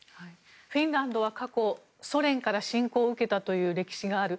フィンランドは過去にソ連から侵攻を受けたという歴史がある。